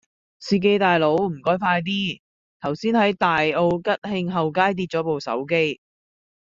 司機大佬唔該快啲，頭先喺大澳吉慶後街跌左部手機